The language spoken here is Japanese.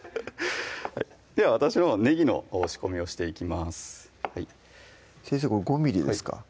では私のほうはねぎの仕込みをしていきます先生これ５ｍｍですか？